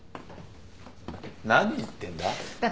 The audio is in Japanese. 何言ってんだ？